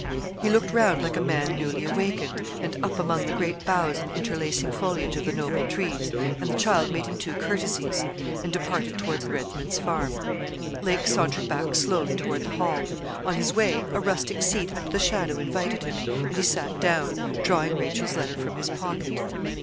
He looked round like a man newly awakened, and up among the great boughs and interlacing foliage of the noble trees, and the child made him two courtesies, and departed towards Redman's Farm. Lake sauntered back slowly toward the Hall. On his way, a rustic seat under the shadow invited him, and he sat down, drawing Rachel's letter from his pocket.